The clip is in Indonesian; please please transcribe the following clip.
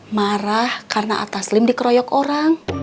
marah karena atas lim dikeroyok orang